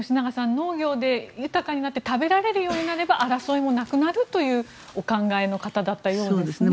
農業で豊かになって食べられるようになれば争いもなくなるというお考えの方だったようですね。